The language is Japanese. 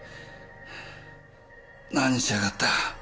何しやがった？